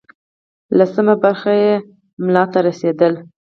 لسمه برخه یې ملا ته رسېدله.